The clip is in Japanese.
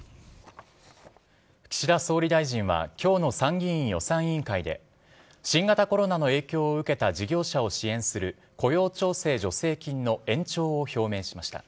岸田総理大臣はきょうの参議院予算委員会で、新型コロナの影響を受けた事業者を支援する雇用調整助成金の延長を表明しました。